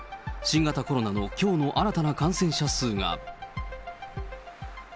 新型コロナのきょうの新たな感染者数が。